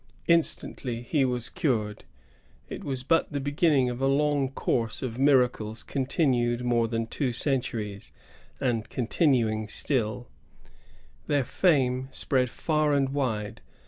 Instantly he was cured. It was but the beginning of a long course of miracles continued more than two centuries, and continuing stiU. Their fame spread far and wide.